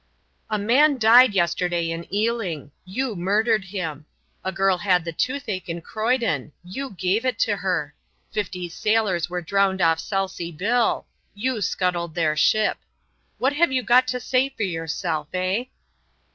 "A man died yesterday in Ealing. You murdered him. A girl had the toothache in Croydon. You gave it her. Fifty sailors were drowned off Selsey Bill. You scuttled their ship. What have you got to say for yourself, eh?"